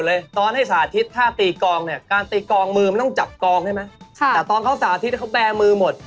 เพราะว่าแค่จังหวะการเดินของเขาเนี่ย